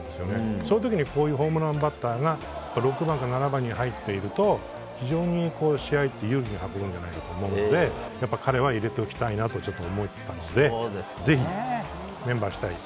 そういう時にこういうホームランバッターが６番、７番に入っていると非常に試合って有利に運ぶと思うので彼は入れておきたいなと思ったのでぜひメンバーにしたい。